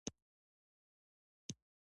افغانستان د غوښې له مخې پېژندل کېږي.